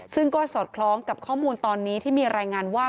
ซึ่งก็สอดคล้องกับข้อมูลตอนนี้ที่มีรายงานว่า